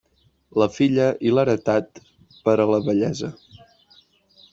La filla i l'heretat, per a la vellesa.